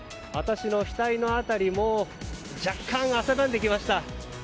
私の額の辺りも若干、汗ばんできました。